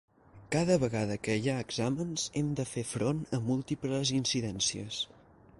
Cada vegada que hi ha exàmens hem de fer front a múltiples incidències.